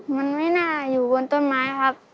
มันไม่น่าอยู่บนต้นไม้ครับ